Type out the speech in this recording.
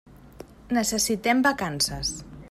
Necessitem vacances.